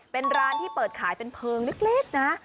เป็นร้านที่เปิดขายเป็นเพลิงเล็กนะ